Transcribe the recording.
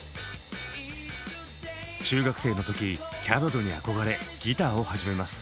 中学生の時キャロルに憧れギターを始めます。